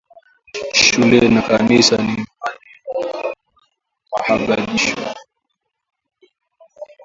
Shule na kanisa ni maali pa mahadibisho